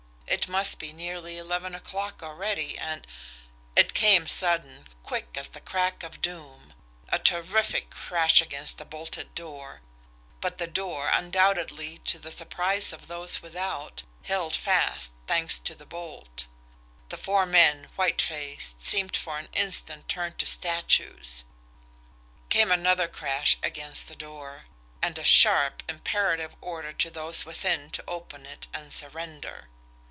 It must be nearly eleven o'clock already, and It came sudden, quick as the crack of doom a terrific crash against the bolted door but the door, undoubtedly to the surprise of those without, held fast, thanks to the bolt. The four men, white faced, seemed for an instant turned to statues. Came another crash against the door and a sharp, imperative order to those within to open it and surrender.